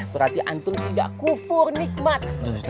berarti antung tidak kufur nikmat